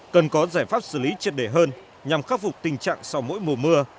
cần có giải pháp xử lý triệt đề hơn nhằm khắc phục tình trạng sau mỗi mùa